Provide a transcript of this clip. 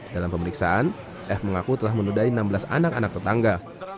dalam pemeriksaan f mengaku telah menudai enam belas anak anak tetangga